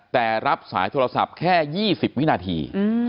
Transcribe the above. แต่รับสายโทรศัพท์แค่๒๐วินาที